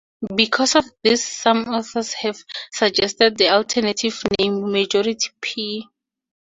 Because of this some authors have suggested the alternative name "Majority-P".